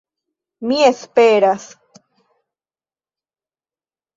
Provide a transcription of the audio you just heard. Mi esperas